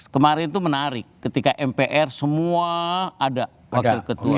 kemarin itu menarik ketika mpr semua ada wakil ketua